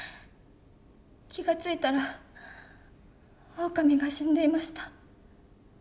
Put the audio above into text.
気が付いたらオオカミが死んでいました。